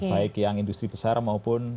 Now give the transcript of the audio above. baik yang industri besar maupun